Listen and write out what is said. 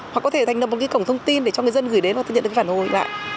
hoặc có thể thành lập một cái cổng thông tin để cho người dân gửi đến và nhận được phản hồi lại